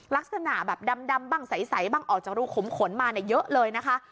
ลักษณะแบบดำบ้างใสบ้างออกจากรูขมขนมาเยอะเลยนะคะ